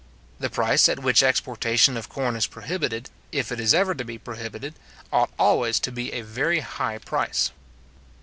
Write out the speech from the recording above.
The price at which exportation of corn is prohibited, if it is ever to be prohibited, ought always to be a very high price.